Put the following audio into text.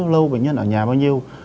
lâu bệnh nhân ở nhà bao nhiêu